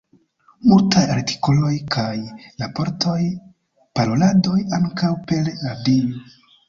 Multaj artikoloj kaj raportoj; paroladoj, ankaŭ per radio.